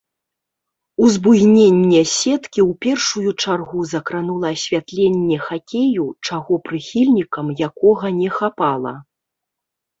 Узбуйненне сеткі ў першую чаргу закранула асвятленне хакею, чаго прыхільнікам якога не хапала.